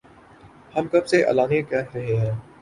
ہم کب سے اعلانیہ کہہ رہے ہیں